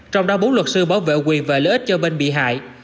trong đó bốn luật sư bảo vệ quyền và lợi ích cho bên bị hại